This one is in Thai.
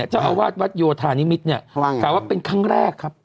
จ้ะว่าหยวทานิมิตเป็นครั้งแรกครับ